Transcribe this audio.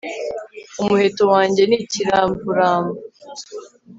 Umuheto wanjye ni ikiramvuramvu